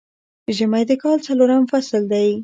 ژمی د کال څلورم فصل دی